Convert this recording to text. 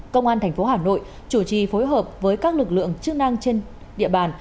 công an thành phố hà nội chủ trì phối hợp với các lực lượng chức năng trên địa bàn